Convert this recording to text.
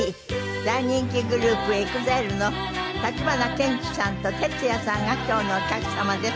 大人気グループＥＸＩＬＥの橘ケンチさんとＴＥＴＳＵＹＡさんが今日のお客様です。